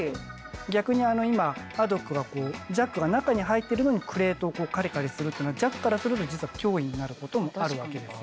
逆にあの今アドックがジャックが中に入ってるのにクレートをカリカリするっていうのはジャックからすると実は脅威になることもあるわけですよね。